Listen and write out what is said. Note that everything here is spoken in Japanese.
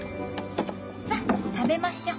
さっ食べましょう。